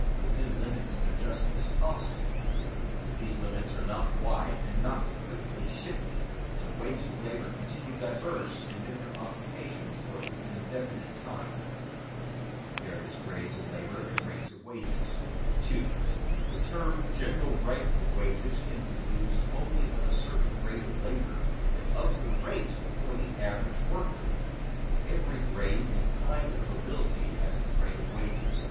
Within limits an adjustment is possible, but these limits are not wide and not quickly shifted, and the wages of labor continue diverse in different occupations for an indefinite time. [Sidenote: Various grades of labor and rates of wages] 2. The term general rate of wages can be used only of a certain grade of labor and of the rate for the average worker. Every grade and kind of ability has its rate of wages.